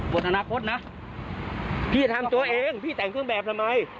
อนาคตนะพี่จะทำตัวเองพี่แต่งเครื่องแบบทำไม